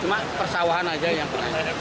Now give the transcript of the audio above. cuma persawahan aja yang